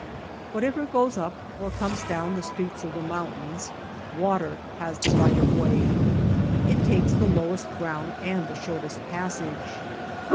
Whatever goes up or comes down the streets of the mountains, water has the right of way ; it takes the lowest ground and the shortest passage.